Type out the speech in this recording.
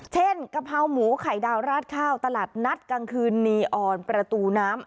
กะเพราหมูไข่ดาวราดข้าวตลาดนัดกลางคืนนีออนประตูน้ำ